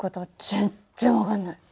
全然分かんない。